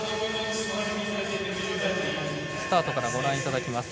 スタートからご覧いただきます。